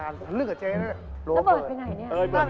มาธนะที่เจ๊ด่าฉันไม่บ่อยฉันขอตอบแทงเจ๊ละกัน